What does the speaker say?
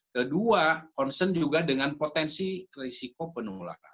kedua concern juga dengan potensi risiko penularan